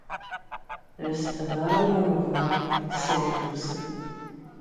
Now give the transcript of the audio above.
"There's another one of mine," said Lucie.